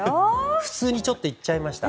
普通にちょっと行っちゃいました。